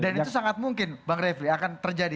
dan itu sangat mungkin bang refli akan terjadi